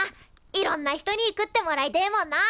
いろんな人に食ってもらいてえもんな。